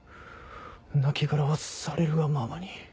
亡きがらはされるがままに。